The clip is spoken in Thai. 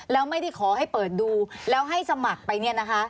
แล้วไม่ได้ขอให้เปิดดูแล้วให้สมัครไปเนี่ยนะคะ